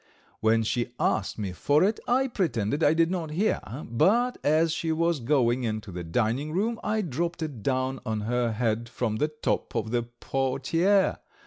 When she asked me for it, I pretended I did not hear, but as she was going into the dining room I dropped it down on her head from the top of the portiere.